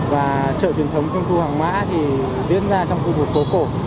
và trợ truyền thống trung thu hàng mã thì diễn ra trong khu vực phố cổ